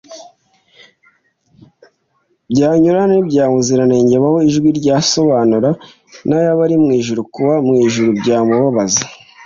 byanyurana nibyabaziranenge baho Ijwi rye ryasobana nayabari mw ijuru Kuba mw ijuru byamubabaza